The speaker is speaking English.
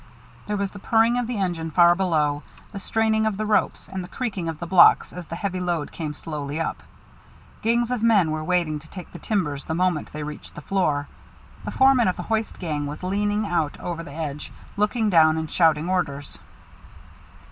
There was the puffing of the engine far below, the straining of the rope, and the creaking of the blocks as the heavy load came slowly up. Gangs of men were waiting to take the timbers the moment they reached the floor. The foreman of the hoist gang was leaning out over the edge, looking down and shouting orders.